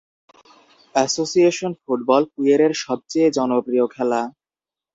Association football পুয়েরের সবচেয়ে জনপ্রিয় খেলা।